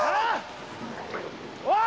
・おい